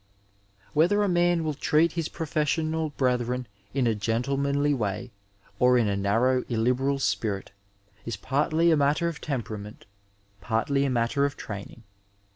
Whether a man will treat his professional brethren in a gentlemanly way or in a nairow illiberal spirit is partly a matter of temperament, partly a matter of training.